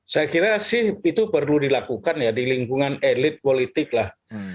saya kira sih itu perlu dilakukan ya di lingkungan elit politik lah